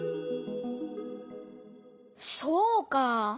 そうかあ！